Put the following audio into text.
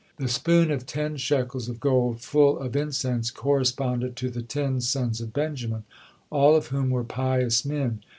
The spoon of then shekels of gold full of incense corresponded to the ten sons of Benjamin, all of whom were pious men.